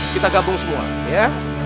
kita gabung semua ya